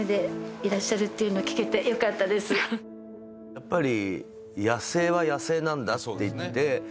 やっぱり。